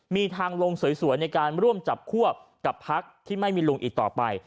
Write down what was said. มีทางลงสวยในการร่วมจับควบกับพักที่ไม่มีลุงอีกต่อไป